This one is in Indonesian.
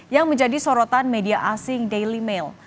yang menjadi sorotan media asing daily mail